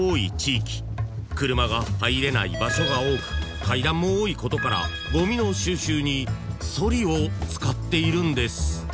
［車が入れない場所が多く階段も多いことからごみの収集にソリを使っているんです］